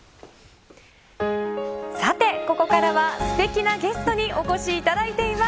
さて、ここからはすてきなゲストにお越しいただいています。